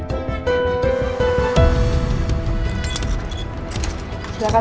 tidak bisa kehanyaan